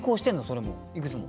それもいくつも。